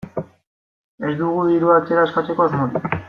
Ez dugu dirua atzera eskatzeko asmorik.